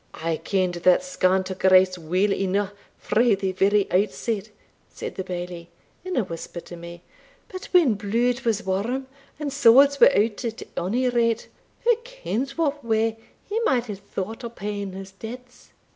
"I ken'd that Scant o' grace weel eneugh frae the very outset," said the Bailie, in a whisper to me; "but when blude was warm, and swords were out at ony rate, wha kens what way he might hae thought o' paying his debts?